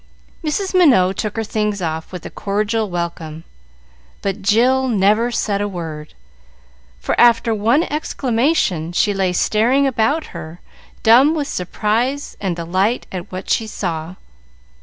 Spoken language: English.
Mrs. Minot took her things off with a cordial welcome, but Jill never said a word, for, after one exclamation, she lay staring about her, dumb with surprise and delight at what she saw.